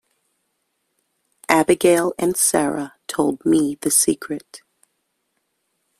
Abigail and Sara told me the secret.